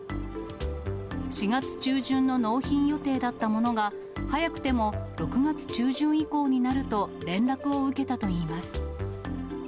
４月中旬の納品予定だったものが、早くても６月中旬以降になると連絡を受けたといいます。